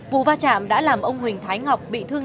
vụ va chạm đã làm ông huỳnh thái ngọc bị thương